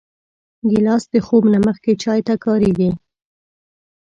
ګیلاس د خوب نه مخکې چای ته کارېږي.